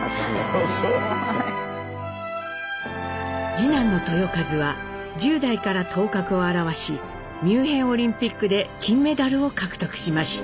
次男の豊和は１０代から頭角を現しミュンヘンオリンピックで金メダルを獲得しました。